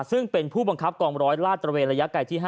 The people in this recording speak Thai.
ซึ่งเป็นผู้บังคับกอง๑๐๐ราศน์ตระเวณระยะไกดที่๕